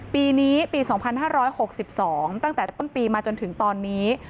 ปีนี้ปี๒๕๖๒ตั้งแต่ต้นปีมาจนถึงตอนนี้